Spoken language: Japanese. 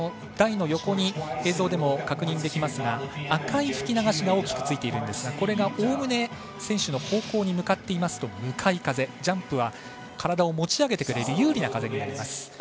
台の横に映像でも確認できますが赤い吹き流しが大きくついているんですがこれがおおむね選手の方向に向かっていますと向かい風ジャンプは体を持ち上げてくれる有利な風になります。